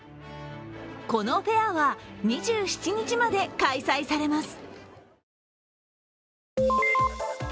このフェアは２７日まで開催されます。